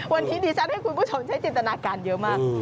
วันนี้ดิฉันให้คุณผู้ชมใช้จินตนาการเยอะมาก